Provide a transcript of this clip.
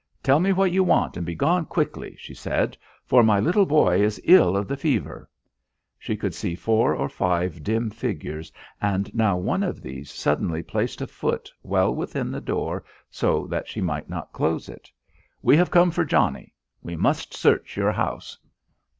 "Tell me what you want and begone quickly," she said, "for my little boy is ill of the fever " She could see four or five dim figures, and now one of these suddenly placed a foot well within the door so that she might not close it. "We have come for Johnnie. We must search your house."